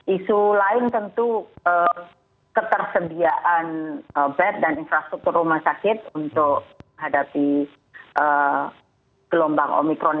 isu lain tentu ketersediaan bed dan infrastruktur rumah sakit untuk hadapi gelombang omikron